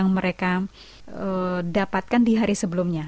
yang mereka dapatkan di hari sebelumnya